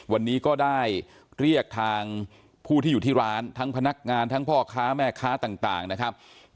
วันนี้ก็ได้เรียกทางผู้ที่อยู่ที่ร้านทั้งพนักงานทั้งพ่อค้าแม่ค้าต่างนะครับ